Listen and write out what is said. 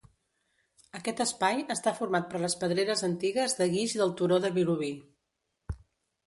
Aquest espai està format per les pedreres antigues de guix del turó de Vilobí.